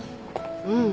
うん。